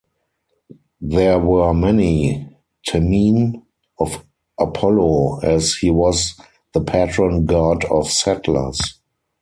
There were many temene of Apollo, as he was the patron god of settlers.